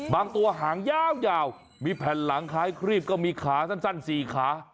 บางตัวหางยาวมีแผ่นหลังคล้ายครีบก็มีขาสั้น๔ขา